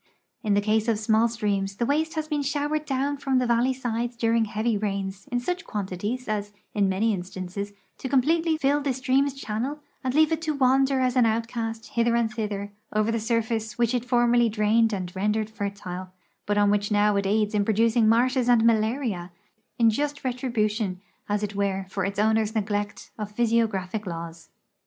In the case of small streams the waste has been showered down from the val ley sides during heavy rains i'n such quantities as, in many instances, to comi)letely fill the stream's channel and leave it to wander as an outcast hither and thither over the surface which it formerly drained and rendered fertile, Init on which it now aids in producing marshes and malaria — in just retrilnition, as it Avere. for its owner's neglect of physiogra[>hic laws.